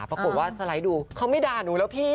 ปรากฏว่าสไลด์ดูเขาไม่ด่าหนูแล้วพี่